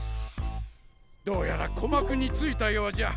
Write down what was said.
どうやら鼓膜に着いたようじゃ。